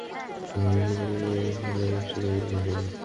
জোর দিতে হবে ভূগর্ভস্থ পানির ওপর চাপ কমিয়ে বৃষ্টির পানি সংরক্ষণে।